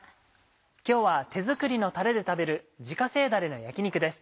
今日は手作りのたれで食べる「自家製だれの焼き肉」です。